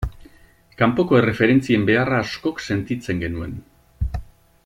Kanpoko erreferentzien beharra askok sentitzen genuen.